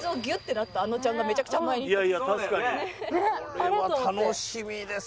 これは楽しみです。